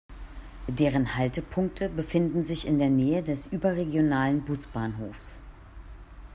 Deren Haltepunkte befindet sich in der Nähe des überregionalen Busbahnhofs.